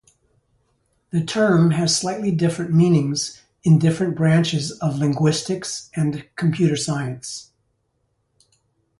The term has slightly different meanings in different branches of linguistics and computer science.